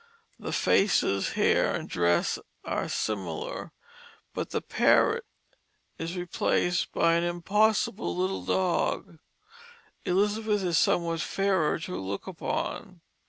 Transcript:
The faces, hair, and dress are similar, but the parrot is replaced by an impossible little dog. Elizabeth is somewhat fairer to look upon.